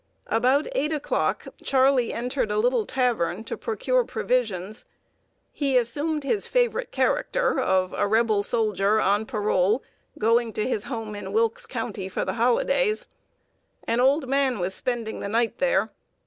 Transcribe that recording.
About eight o'clock Charley entered a little tavern to procure provisions. He assumed his favorite character of a Rebel soldier, on parole, going to his home in Wilkes County for the holidays. An old man was spending the night there.